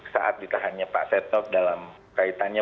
saat ditahannya pak setnov dalam kaitannya